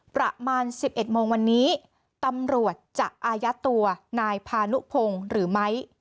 ประมาณ๑๑โมงวันนี้ตำรวจจะอายัดตัวนายพานุพงศ์หรือไม้